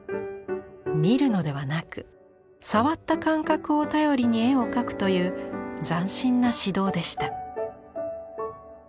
見るのではなく触った感覚を頼りに絵を描くという斬新な指導でした。